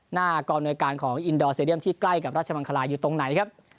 หน้ากองอำนวยการของอินดอร์เซเดียมที่ใกล้กับราชมังคลาอยู่ตรงไหนครับ